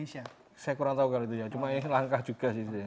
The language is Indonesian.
ini sudah ketemu pak cik